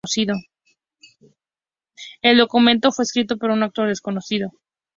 El documento fue escrito por un autor desconocido.